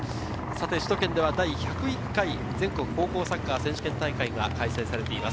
首都圏では第１０１回全国高校サッカー選手権大会が開催されています。